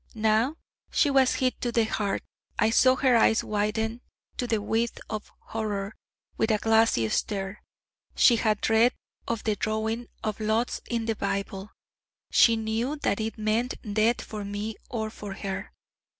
Now she was hit to the heart: I saw her eyes widen to the width of horror, with a glassy stare: she had read of the drawing of lots in the Bible: she knew that it meant death for me, or for her.